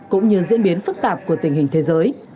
cũng như diễn biến phức tạp của tình hình thế giới